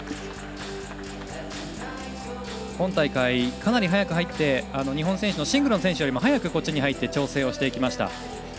今大会、かなり早く入って日本選手のシングルの選手より早くこっちに入り調整しました。